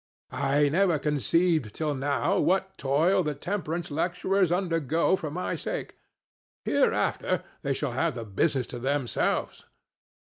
I never conceived till now what toil the temperance lecturers undergo for my sake; hereafter they shall have the business to themselves.